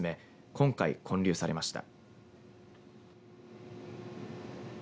今回建立されました。